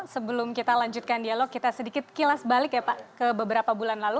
sebelum kita lanjutkan dialog kita sedikit kilas balik ya pak ke beberapa bulan lalu